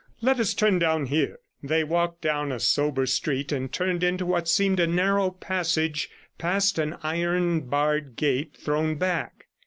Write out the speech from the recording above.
Let us turn down here.' They walked down a sober street and turned into what seemed a narrow passage past an iron barred gate thrown back.